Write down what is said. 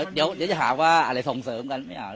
เดี๋ยวจะหาว่าอะไรส่งเสริมกัน